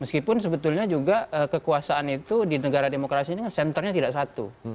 meskipun sebetulnya juga kekuasaan itu di negara demokrasi ini kan senternya tidak satu